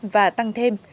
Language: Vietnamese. và tăng thêm